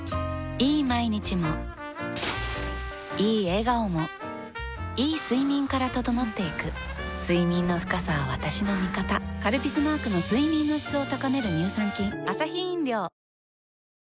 いい毎日もいい笑顔もいい睡眠から整っていく睡眠の深さは私の味方「カルピス」マークの睡眠の質を高める乳酸菌プシュ！